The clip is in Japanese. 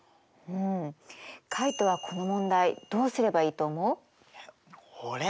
うんカイトはこの問題どうすればいいと思う？